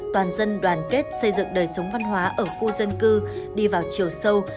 toàn dân đoàn kết xây dựng đời sống văn hóa ở khu dân cư đi vào chiều sâu